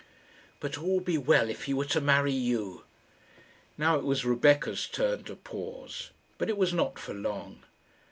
"But all will be well if he were to marry you!" Now it was Rebecca's turn to pause; but it was not for long.